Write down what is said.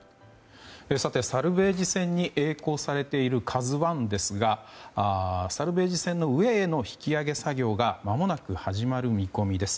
サルベージ船に曳航されている「ＫＡＺＵ１」ですがサルベージ船の上への引き揚げ作業がまもなく始まる見込みです。